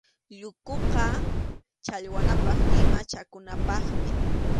Llukuqa challwanapaq ima chakunapaqmi.